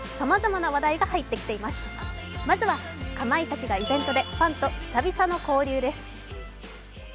まずは、かまいたちがイベントでファンと久々の交流です。